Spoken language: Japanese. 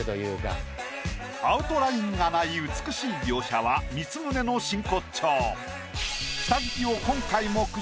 アウトラインがない美しい描写は光宗の真骨頂。